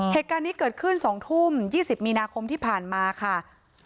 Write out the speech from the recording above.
เหตุการณ์นี้เกิดขึ้น๒ทุ่ม๒๐มีนาคมที่ผ่านมาค่ะ